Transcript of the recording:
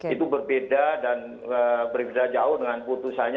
itu berbeda dan berbeda jauh dengan putusannya